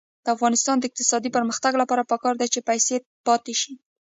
د افغانستان د اقتصادي پرمختګ لپاره پکار ده چې پیسې پاتې شي.